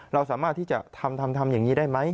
เราสามารถที่จะทำทำอย่างนี้ได้ไหม